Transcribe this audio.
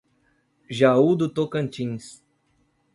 Jaú do Tocantins